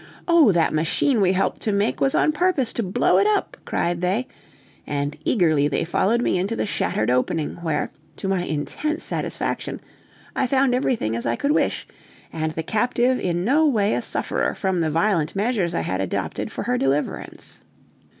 Oh, that machine we helped to make was on purpose to blow it up!" cried they; and eagerly they followed me into the shattered opening, where, to my intense satisfaction, I found everything as I could wish, and the captive in no way a sufferer from the violent measures I had adopted for her deliverance.